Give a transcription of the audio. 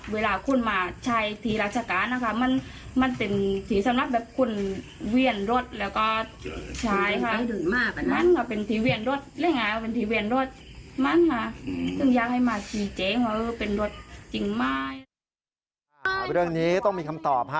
วันนี้ต้องมีคำตอบ